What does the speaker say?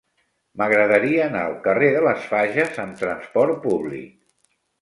M'agradaria anar al carrer de les Fages amb trasport públic.